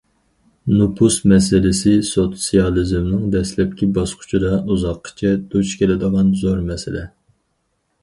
نوپۇس مەسىلىسى سوتسىيالىزمنىڭ دەسلەپكى باسقۇچىدا ئۇزاققىچە دۇچ كېلىدىغان زور مەسىلە.